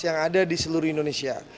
yang ada di seluruh indonesia